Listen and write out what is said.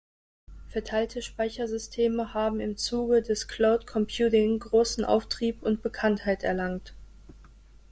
Verteilte Speichersysteme haben im Zuge des Cloud-Computing großen Auftrieb und Bekanntheit erlangt.